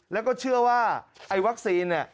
แล้วก็เชื่อว่าวัคซีน